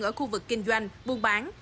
ở khu vực kinh doanh buôn bán